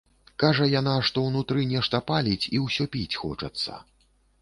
Кажа яна, што ўнутры нешта паліць і ўсё піць хочацца.